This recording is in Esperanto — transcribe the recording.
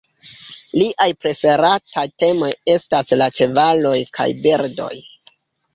Liaj preferataj temoj estas la ĉevaloj kaj birdoj.